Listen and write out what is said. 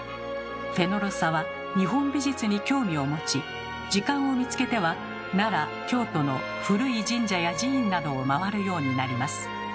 フェノロサは日本美術に興味を持ち時間を見つけては奈良・京都の古い神社や寺院などを回るようになります。